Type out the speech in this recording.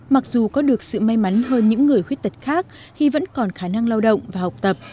mặc dù có được sự may mắn hơn những người khuyết tật khác khi vẫn còn khả năng lao động và học tập